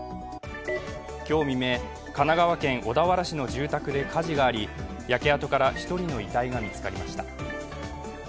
今日未明、神奈川県小田原市の住宅で火事があり焼け跡から、１人の遺体が見つかりました。